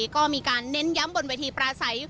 ก็มีการเน้นย้ำบนเวทีปราศัย